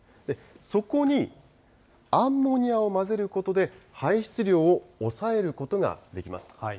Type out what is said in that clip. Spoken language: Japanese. そこにアンモニアを混ぜることで、排出量を抑えることができます。